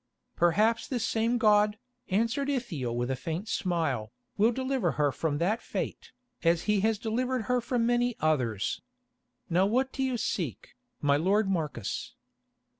"Perhaps this same God," answered Ithiel with a faint smile, "will deliver her from that fate, as He has delivered her from many others. Now what do you seek, my lord Marcus?"